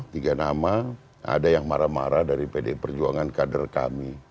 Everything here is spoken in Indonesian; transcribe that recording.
tiga nama ada yang marah marah dari pdi perjuangan kader kami